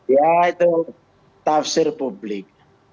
ya itu tafsir publik